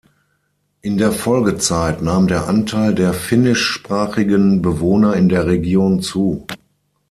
In der Folgezeit nahm der Anteil der finnischsprachigen Bewohner in der Region zu.